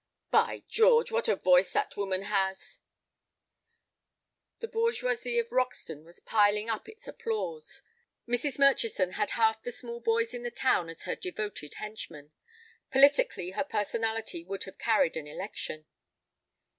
"By George, what a voice that woman has!" The bourgeoisie of Roxton was piling up its applause. Mrs. Murchison had half the small boys in the town as her devoted henchmen. Politically her personality would have carried an election.